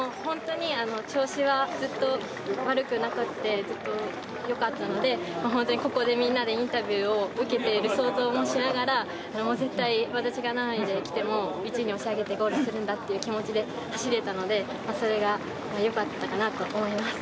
調子はずっと悪くなくて、ずっとよかったので、本当にここでみんなでインタビューを受けている想像をしながらもう絶対私が何位で来ても、１位に押し上げてゴールするんだという気持ちで走れたので、それが良かったのかなと思います。